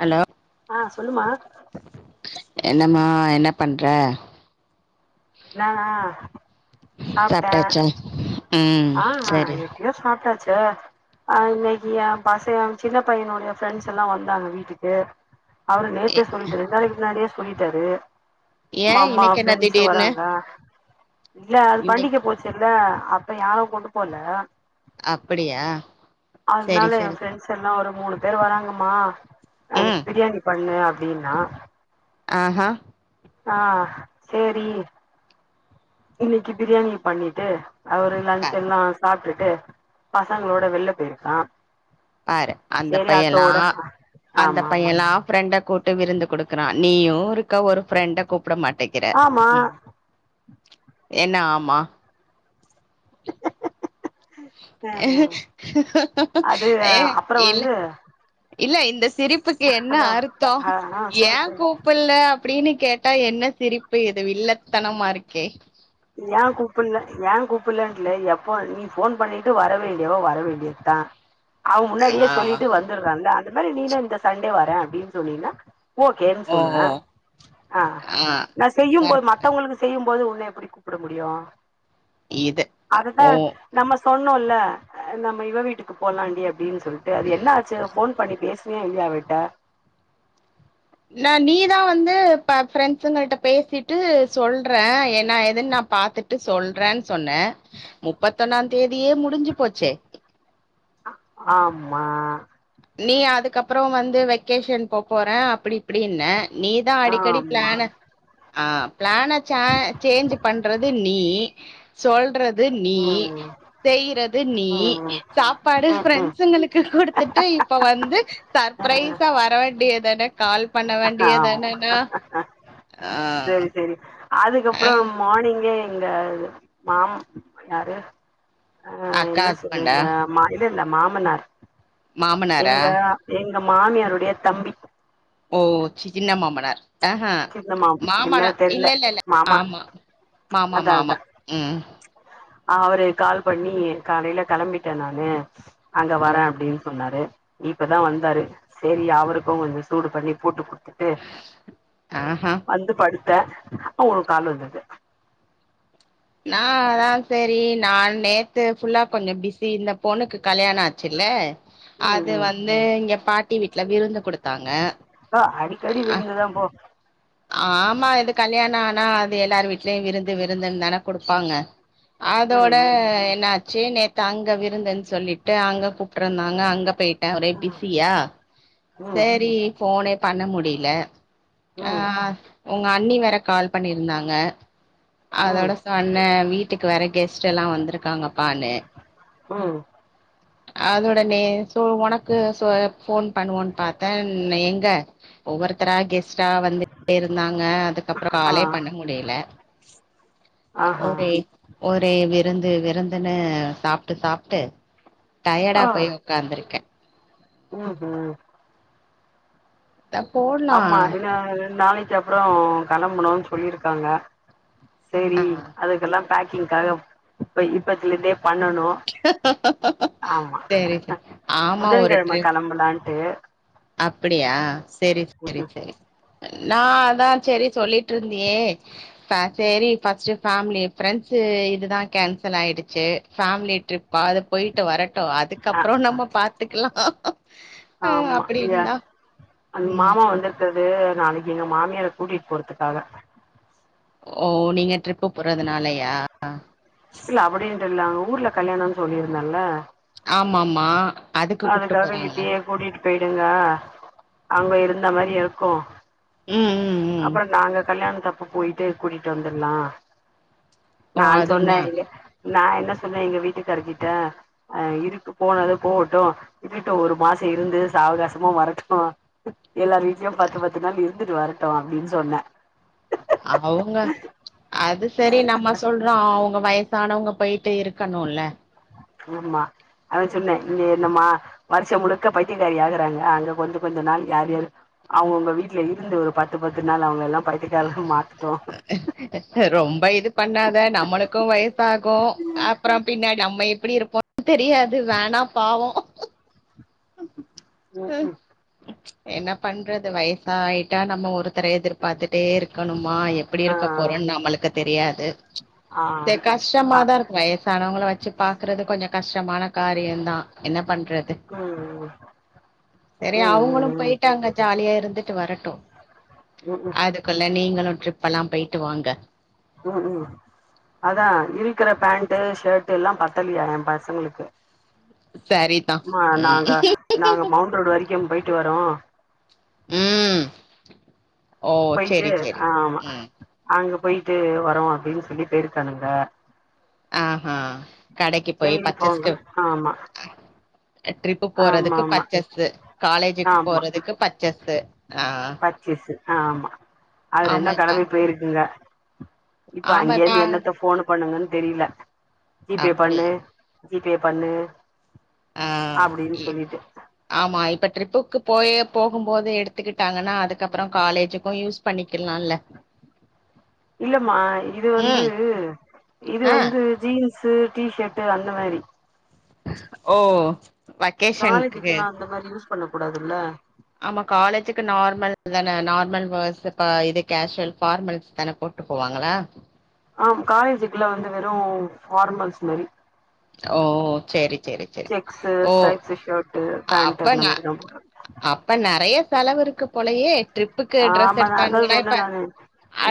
hello ஆ சொல்லுமா என்னம்மா என்ன பண்ற நானா சாப்ட்டேன் சாப்ட்டாச்சா ம் ஆ சரி இரு [inaudible] சாப்ட்டாச்சு அஹ்இன்னைக்கு என் பச என் சின்ன பையனுடைய ஃப்ரெண்ட்ஸ் எல்லாம் வந்தாங்க வீட்டுக்கு அவரு நேத்தே சொல்லிட்டாரு இரண்டு நாளைக்கு முன்னாடியே சொல்லிட்டாரு ஏ அம்மா அம்மா இன்னைக்கு ம என்ன ஃப்ரெண்ட்ஸ் திடீர்னு வராங் க இல்ல அது இன்னைக் பண்டிக போச்சு இல்ல அப்ப யாரும் கொண்டு போல அப்படியா சரி அதனால என் சரி ஃப்ரெண்ட்ஸ் எல்லாம் ஒரு மூணு பேர் வராங்கமா எனக்கு ம் பிரியாணி பண்ணு அப் டின்னா ஆஹா ஆ சரி இன்னைக்கு பிரியாணி பண்ணிட்டு அவரு பா லஞ்ச் எல்லாம் சாப்ட்டுட்டு பசங்களோட வெளில போயிருக்கான் பாரு அந்த பையல்லாம் அந்த ஆமா ஆமா பையல்லாம் ஃப்ரெண்ட கூட்டு விருந்து குடுக்குறான் நீயும் இருக்க ஒரு ஃப்ரெண்ட கூப்பிட மாட்டேக்கிற ஆமா ம் என்ன ஆமா அ அது ஏ அப்புறோ இல்ல வந்து இல்ல இந்த சிரிப்புக்கு என்ன ஹலோ அர்த்தம் ஆ ஆ சொல்லு ஏன் சொல்லு கூப் புல்ல அப்படின்னு கேட்டா என்ன சிரிப்பு இது வில்லத்தனமா இருக்கே ஏன் கூப்புல ஏன் கூப்புல எப்போ நீ ஃபோன் பண்ணிட்டு வரவேண்டியவோ வர வேண்டியதான் அவ முன்னாடியே ஆ சொல்லிட்டு வந்துர்றாங்க அந்த மாரி நீனும் இந்த சண்டே வரேன் அப்படின்னு சொன்னீங்ன்னா ஓகேன்னு ஓ ஓ சொல்லுவேன் ஆ நா சர் செய்யும்போது மத்தவங்களுக்கு செய்யும்போது உன்ன எப்டி கூப்ட முடியும் இது அததா ஓ நம்ம சொன்னோல நம்ம இவ வீட்டுக்கு போலாண்டி அப்டின்னு சொல்லிட்டு அது என்ன ஆச்சு போன் பண்ணி பேசுனியா இல்லையா அவள்ட்ட இல நீதா வந்து ப ஃப்ரெண்ட்ஸுங்களுட்ட பேசிட்டு சொல்றே என்னா ஏதுன்னு நா பாத்துட் சொல்றேன்னு சொன்னே முப்பத்தொன்னா தேதியே முடிஞ்சி போச்சே அ ஆமா நீ அதுக்கப்புறோ வந்து வெக்கேஷன் போ போறே அப்டி இப்படின நீ தா அடிக்கடி ஆமா பிளான ஆ பிளான ச சேஞ்ச் பண்றது நீ சொல்றது நீ ம் ம் செய்யறது நீ ம் சாப்பாடு ம் பிரெண்ட்ஸுங்களுக்கு கொடுத் கத்துடு இப் வந்து ம் சர்பரைஸா வர வேண்டியதான கால் பண்ண ஆமா வேண்டியதானன்னா ஆ சரி ஆ அதுக்கப்புரோ மார்னிங்கே எங்க மாம் யாரு ஆ அக்கா என்ன ஹஸ்பண்டா சொல்வீங்க ம இது இல்ல மாமனார் மாமனாரா எங்க எங்க மாமியாருடைய தம்பி ஓ சி சின்ன மாமனார் ஆஹ்ஹ சின்ன மாமா மாமனா என்ன தெர்ல இல்ல இல்ல இல்ல மாமா ஆமா மாமா அதா அதா மாமா‌ ம் அவரு கால் பண்ணி காலையில கிளம்பிட்டே நாணு அங்க ஓ வரே அப்டின்னு சொன்னாரு இப்பதா வந்தாரு செரி அவருக்கு கொஞ்சோ சூடு பண்ணி பூட்டு குடுத்துட்டு ஆஹ்ஹூ வந்து படுத்தே உங்க காலு வந்தது நா அதா செரி நான் நேத்து ஃபுல்லா கொஞ்சோ பிஸி இந்த பொனுக்கு கல்யானோ ஆச்சுல்ல ம் அது ம் வந்து இங்க பாட்டி வீட்டுல விருந்து குடுத்தாங்க போ அடிக்கடி அ விருந்துதா போ ஆமா இது கல்யாணா ஆனா அது எல்லாரு வீட்லயு விருந்து ம் விருந்துன்னு தான க குடுப்பாங்க அதோட ம் என்னாச் சே நேத் அங்க விருந்துன்னு சொல்லிட்டு அங்க கூப்பிட்டுருந்தாங்க அங்க போயி டே ஒரே ம் பிஸியா சேரி ஃபோனே பண்ண முடியல ஆ ம் ம் உங்க அண்ணி வேற கால் பண்ணியிருந்தாங்க ம் அதோட என்ன வீட்டுக்கு வேற கெஸ்ட் எல்லா வந்திருக்காங்கப்பாணு ம் அதோட நேத்து உனக்கு சொ ஃபோன் பண்ணுவோன்னு பாத்தேன் எங்க ஒவ்வொருத்தர கெஸ்ட்டா வந்துடே இருந்தாங்க அதுக்கப்பபுரோ ஆ காலே பண்ண முடியல ஆஹா ஒரே ஒரே விருந்து விருந்துன்னு சாப்ட்டு சாப்ட்டு டயடா ஆ போய் உக்காந்துருக்கே ம் ஹூ த போல் அம்மா இன்னு‌ ரெண்டு நாளைக்கு அப் அப்ரோ கெளம்பனு சொல்லிருக்காங்க ஆ செரி அதுக்கெல்லா பேக் கிங்காக இப்ப இப்பத்துல இதே பண்ணணு ஆமா சேரி ஆமா ஒரு ட்ரு நம்பளான்ட்டு அப்படியா சேரி சேரி ம் சேரி நா அதா சரி சொல்லிட்டு இருந்தியே ச சேரி ஃபஸ்ட் பேமிலி ஃப்ரெண்ட்ஸ் இதுதா கேன்சல் ஆயிடுச்சு ஃபேமிலி ட்ரிப்பா அது போயிட்டு வரட்டு ஆ அதுக்கப்புரோ நம்ம பாத்துக்கலா அ ஆமா ஏ அப்டின்னா அந் ம் மாமா வந்து அது நாளைக்கு எங்க மாமியார கூட்டிகிட்டு போறதுக்காக ஓ நீங்க ட்ரிப்பு போறதுனாலயா இல்ல அப்படின்னுட்டு இல்ல அங்க ஊர்ல கல்யாணம்னு சொல்லியிருந்தல்ல ஆமாம்மா அதுக்காக இப்டியே கூட்டிட்டு போயிடுங்க அங்க இருந்த மாரியு இருக்கு ம் ம் அப்புற நாங்க கல்யாணத்து அப்ப போயிட்டு கூட்டிட்டு வந்துர்லா ஓ நான் சொன்னே அதுவுனா இங்க நா என்ன சொன்னே எங்க வீட்டுக்கார்கிட்ட அ இருக்கு போனது போவட்டு இருக்கட்டு ஒரு மாசோ இருந்து சாவகாசம வரட்டும் எல்லார் வீட்லயு பத்து பத்து நாள் இருந்துட்டு வரட்டு அப்டின் சொன்ன அ அவுங்க அது சரி நம்ம சொல்றோ அவங்க வயசானவங்க போயிட்டு இருக்கணுல ஆமா அதா சொன்னே இங்க என்னம்மா வர்ஷம் முழுக்க பைத்தியக்காரி ஆகுறாங்க அங்ககொஞ்சோ கொஞ்சோ நாள் யார் யாரு அவங்கவுங்க வீட்டுல இருந்து ஒரு பத்து பத்து நாள் அவங்க எல்லாம் பையத்க்கரங்ல மாத்துட்டோ ரொம்ப இது பண்ணாத நம்மளுக்கு வயசாகு அப்பறம் பின்ன நம்ம எப்டி இருப்போம் தெரியாது வேணா பாவோ ம் ஹே ம் என்ன பண்றது வயசாயிட்டா நம்ம ஒருத்தர எதிர்பார்த்துட்டே இருக்கணுமா எப்பிடி ஆ இருக்கபோறோன்னு நம்மளுக்கு தெரியாது ஆ தெற்கா கஷ்டமா ஆ தா இருக்கு வயசானவங்கள வச்சு பாக்குறது கொஞ்சம் கஷ்டமான காரியந் தா என்ன பண்றது ம் ம் செரி ம் அவங்களு ம் போயிட்டாங்க ஜாலியா இருந்துட்டு வரட்டு ம் ஹும் அதுக்குள்ள நீங்களு ட்ரிப்ல்லா போயிட்டு வாங்க ம் ம் அதா இருக்கிற பேண்ட் ஷர்ட் எல்லா பத்தலையா என் பசங்களுக்கு சரிதான் மா நாங்க ம் நாங்க மவுண்ட் ரோடு வரைக்கு போயிட்டு வரோ ம் ஓ போயிட்டு சரி சரி ஆமா ம் அங்க போயிட்டு வரோ அப்டின்னு சொல்லி பேயிருக்கானுங்க ஆ ஹா கடைக்கு போயி சேரி போங்க பச்சஸ்க்கு ஆமா ட்ரிப்பு ஆமா போறதுக்கு ஆமா பச்சஸ்சு காலேஜுக்கு போறதுக்கு பச்சஸ்சு ஆ பர்சேஸ்சு ஆமா அது ரெண்டுங் ஆமாப்பா கெளம்மி போயிருக்குங்க இப்ப ஆமாப்பா அங்கேருந்து என்னத்த போனு பண்ணுங்கன்னு தெரியில ஜிபே பண்ணு அப்படியா ஜிபே பண்ணு ஆ அப்டின்னு ஈ சொல்லிட்டு ஆமா இப்ப ட்ரிப்புக்கு போயே போகும் போது எடுத்துக்கிட்டாங்கன்னா அதுக்கப்புற காலேஜுக்கு யூஸ் பண்ணிக்கலால்ல இல்லமா இது வந்து ம் இது ஆ வந்து ஜீன்ஸு டிஷட்டு அந்த மாரி ஓ வக்கேஷன்க்கு பண்ணக்கூடாதுல்ல ஆமா காலேஜுக்கு நார்மல் தானே நார்மல்ஸ் பர்ஸ் இது கேஷுவல் பார்மல்ஸ் தானே போட் ட்டு போவாங்களா ஆம் காலேஜுக்குள்ள வந்து வெறும் ஃபார்மல்ஸ் மாரி ஓ செரி செரி செரி செக்ஸு ஓ ஸ்ட்ரைப்ஸு ஷர்ட்டு பேண்ட் அந்த அப்பனா மாரிதா போட்னு அப்ப நெறைய செலவு இருக்கு போலையே ட்ரிப்புக்கு ட்ரெஸ் ஆமா நா அதா எடுத்தானுங்கா சொன்னே இப்ப நானு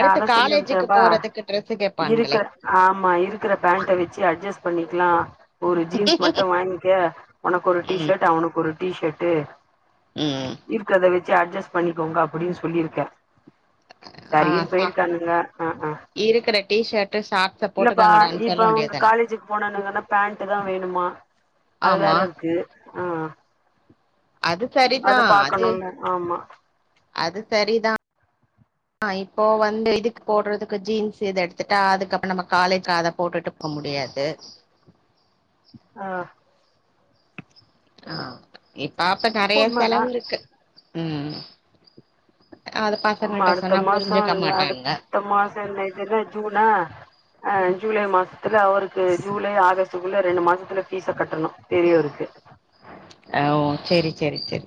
நா அதா சொல்லி காலேஜுக்கு அனுப்ச்சேப்பா போறதுக்கு டிரெஸ்ஸு கேப்பான்களே இருக்கிற ஆமா இருக்கற பேண்ட வேச்சு அட்ஜஸ்ட் பண்ணிக்கலா ஒரு ஜீன்ஸ் மட்டு வாங்கிக்க உனக்கு ஒரு டீ ம் ஷர்ட் அவனுக்கு ஒரு டீஷர்ட்டு ம் இருக்கறத வெச்சி அட்ஜஸ்ட் பண்ணிக்கோங்க அப்புடின்னு சொல்லியிருக்கே ஆ சரினு சா போயிருக்கானுங்க ஆ ஆ இருக்கிற டி ஷர்ட்டு ஷார்ட்ஸ இல்லப்பா போட்டுக்கங்கடான்னு இப்ப சொல்ல அவங்க வேண்டியதான காலேஜுக்கு போனானுங்கன்னா பேண்ட்டு தா வேணுமா அது வேற ஆமா இருக்கு ஆ அது சரிதா அது பாக்கணும்ல ஆமா அது சரிதா ஆ இப்போ வந்து இதுக்கு போட்றதுக்கு ஜீன்ஸ் இது எடுத்துட்டா அதுக்கப்றோ நம்ம காலேஜ் அத போட்டுட்டு இப்போ முடியாது ஆ ஆ இப்ப அப்ப நறைய உண்மதா செலவு இருக்கு ம் அத பசங்கள்ட சொன்னா புரிஞ்சுக்க மாட்டானுங்க இந்த மாசோ என்ன இதுனா ஜூனா ஆ ஜூலை மாசத்துல அவருக்கு ஜூலை ஆகஸ்ட் க்குள்ள ரெண்டு மாசத்துல பீஸ கட்டணு பெரியவருக்கு ஆ ஓ செரி செரி செரி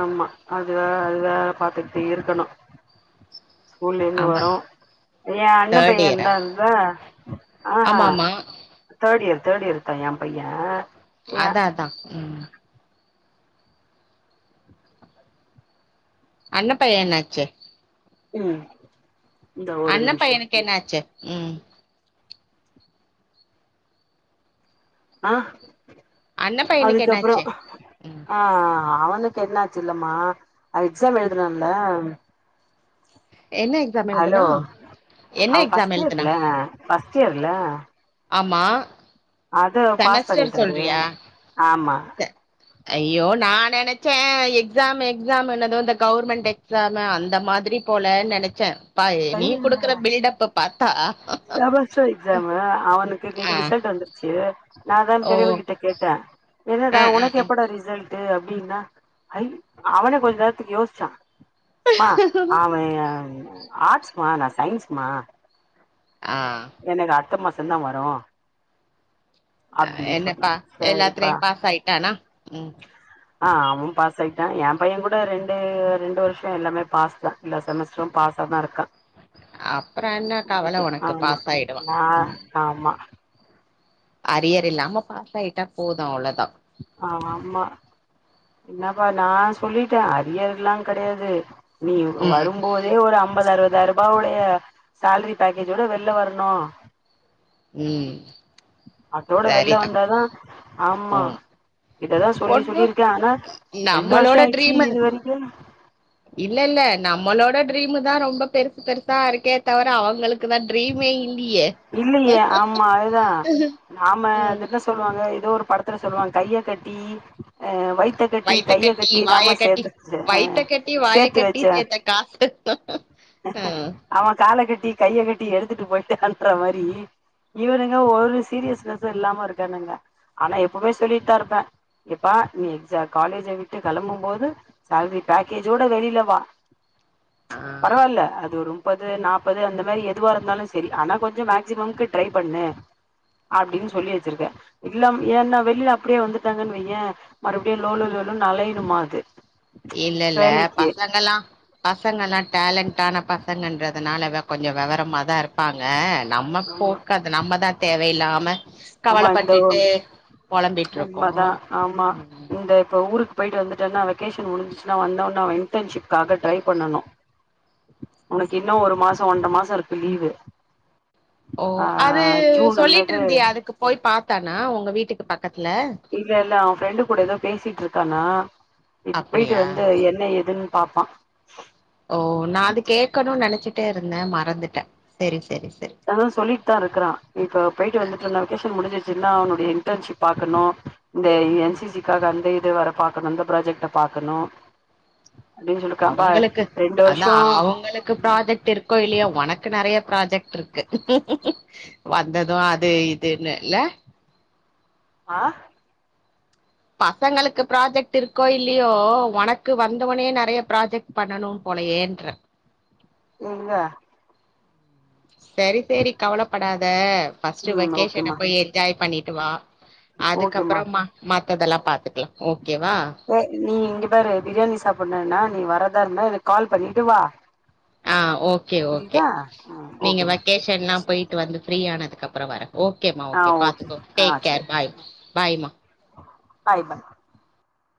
ஆமா அதுவே அது வேற பாத்துக்கிட்டு இருக்கணு ஸ்கூல்ல இருந்து ஆமா வரு எயா அண்ண தேர்ட் பைய இயரா இருந்தால ஆ ஹா ஆமா ஆமா தேர்ட் இயர் தேர்ட் இயர் தா ஏயா பையே அதா அதா ம் அண்ண பையனாச்சே ம் இந்தா ஒரு அண்ண நிமிஷோ பையனுக்கு என்ன ஆச்சி ம் ஆ அண்ண பையனுக்கு அதுக்கப்றோ என்னாச்சு ம் ஆ ஆ அவனுக்கு என்ன ஆச்சி இல்லமா அவ எக்ஸாம் எழுதுனால என்ன எக்ஸாம் எழுதுனா ஹலோ என்ன அவ எக்ஸாம் ஃபஸ்ட் எழுதுனா இயர்ல ஃபஸ்ட் இயர்ல ஆமா அத பாஸ் செமஸ்டர் பண்ணிட்டாரு சொல்றியா ஆமா செ- ஐயோ நா நெனைச்சே எக்ஸாம் எக்ஸாம் இன்னது இந்த கவுர்மெண்ட் எக்ஸாமு அந்த மாதிரி போலன் நெனைச்சே ஃபெயில் இல்ல அ செமஸ்டர் எக்ஸாமு அவனுக்கு ஆ இன்னைக்கு ரிசல்ட் வந்துதிருக் சேர் நா தா ஓ பெருவ கிட்ட கேட்டே என்னடா ஆ ஆ உனக்கு எப்படா ரிசல் ட்டு அப்டின்னா ஐ அவனே கொஞ்ச நேரத்துக்கு யோசிச்சா மா அவே அ ஆர்ட்ஸ்மா நா சயின்ஸ்மா ஆ எனக் அடுத்த மாசோ தா வரு அப்டின்னு சொன்னா என்னப்பா சரிப்பா எல்லாத்துலையு பாஸ் ஆயிட்டானா ம் ஆ அவுனு பாஸ் ஆகிட்டா எயா பைய கூட ரெண்டு ரெண்டு வருஷோ எல்லாமே பாஸ் தா இந்த செமஸ்டரு பாஸ் சொப்னா இருக்கா அப்றோ என்ன கவல உனக்கு ஆமா பாஸ் ஆயிடுவா நா ம் ஆமா அரியர் இல்லாம பாஸ் ஆய்ட்டா போது அவ்ளோதா ஆமா என்னாபா நா சொல்லிட்டே அரியர்ல்லா கெடையாது நீ ம் வரும்போ தே ஒரு அம்பது அறுவதாயிரூபா உடைய சேல்ரி பேக்கேஜோட வெள்ல வர்ணு உம் அத்தோட வெள்ல வந்தாதா ஆமா ம் இததா சொல்லி ஒண்ணு சொல்லிருக்கே ஆனா ரெண்டு வருஷோ நம்மளோட ஆய்ச்சு ட்ரீமு இது வரைக்கு இல்ல இல்ல நம்மளோட ட்ரீமு தா ரொம்ப பெருசு பெருசா இருக்கே தவிர அவங்களுக் குளா ட்ரீமே இல்லியே இல்லையே ஆமா அதுதா நாம அஹ அது என்ன சொல்லுவாங்க ஏதோ ஒரு படத்துல சொல்லுவாங்க கைய கட்டி ஆ வைத்த கட்டி வயித்த கையை கட்டி வாய நாம கட்டி சேத்து அ வயித்த கட்டி வாய சேத்து கட்டி வெச்ச சேத்த காசு ஆ அவன் கால கட்டி கையை கட்டி எடுத்துட்டு போயிட்டாண்ற மாரி இவுரு என்னவோ ஒரு சீரியஸ்னஸ்சு இல்லாம இருக்கானுங்க ஆனா எப்போமே சொல்லிட்தா இருப்பே எப்பா நீ எக்ஸ காலேஜ விட்டு கெளம்பு போது சேல்ரி பேக்கேஜோட வெளிலவா ஆ பரவால்ல அது ஒரு முப்பது நாப்பது அந்த மாரி எ துவா இருந்தாலும் சரி ஆனா கொஞ்சம் மேக்சிமமுக்கு ட்ரை பண்ணு அப்டின் சொல்லி வெச்சிருக்கே இல்லாம ஏன்னா வெளில அப்டியே வந்துட்டாங்கன்னு வையே மறுப்டியு லோலோலோலோன் அலையனுமா அது இல்லல்ல வேலைக்கு பசங்கல்லா பசங்கல்லா டேலண்ட்டான பசங்கன்றதுனால வெ கொஞ்சம் வெவரமா தான் இருப் பாங்க நம்ம ஆமா போக்கது நம்மதான் தேவையில்லாம ஆமா கவலப்பட்டுட்டு பொலம்பிட்ருக்கோ ஆ ஆமா ம் இந்த இப்ப ஊருக் போயிட்டு வந்துட்டேனா வெகேஷன் முடிசிச்சின்னா வந்தவுனே அவ இன்டன்ஷிப்காக ட்ரை பண்ணனு உனக்கு இன்னும் ஒரு மாசம் ஒன்ற மாசம் இருக்கு லீவு ஓ ஆ அது ஜூன் அல்லது சொல்லிட்ரிந்தியே அதுக்கு போய் பாத்தானா உங்க வீட்டுக்கு பக்கத்துல இல்லல்ல அவன் ஃப்ரெண்டு கூட ஏதோ பேசிட்டு இருக்கானா இப்ப போயிட்டு அப்டியா வந்து என்ன ஏதுன்னு பாப்பான் ஓ நான் அது கேக்கணு நெனச்சிட்டேருந்தேன் மறந்துட்டேன் செரி செரி செரி ஆ சொல்லிட்தா இருக்கறா இப்ப போயிட்டு ஆ வந்துட்டு நா வெக்கேசன் முடிஞ்சிருச்சுன அவனுடைய இன்டன்ஷிப் பாக்கணு இந்த என்சிசிக்காக அந்த இது வேற பாக்கணு இந்த ப்ராஜெக்ட பாக்கணு அப்டின் சொல்லிருக்காப்பா ரெண்டு வருஷோ உங்களுக்குப் ப்ராஜெக்ட் இருக்கோ இல்லயோ உனக்கு நெறைய ப்ராஜெக்ட் இர்க்கு வந்தது அது இதுன்னு இல்ல ஆ பசங்களுக்கு ப்ராஜெக்ட் இருக்கோ இல்லையோ உனக்கு வந்தவுனே நெறைய ப்ராஜெக்ட் பண்ணணும் போலயேன்றே நீங்க செரி செரி கவலப்படாத ஃபர்ஸ்ட்டு ம் வெக்கேஷன ஓகேமா போய் என்ஜாய் பண்ணிட்டு வா ஓகேமா அதுக்கப்பறமா மத்ததெல்லா பாத்துக்கலாம் ஓகேவா ஏ நீ இங்க பாரு பிரியாணி சாப்டணும்னா நீ வரதா இருந்த எனக்கு கால் பண்ணிட்டு வா ஆ ஓகே ஓகே புரியுதா ம் நீங்க ஓகேமா வெக்கேஷன்லா போயிட்டு வந்து ஃப்ரீயானதுக்கப்றோ வர ஓகேம்மா ஆ ஓகே பாத்துக்கோ ஆ டேக் சேரி கேர் பாய் பாய்ம்மா பாய் மேம்